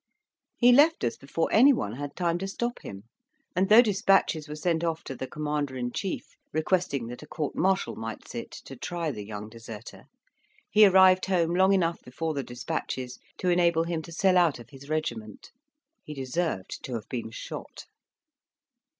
He left us before any one had time to stop him; and though despatches were sent off to the Commander in Chief, requesting that a court martial might sit to try the young deserter, he arrived home long enough before the despatches to enable him to sell out of his regiment. He deserved to have been shot.